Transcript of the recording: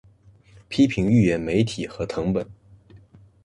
批评预言媒体和誊本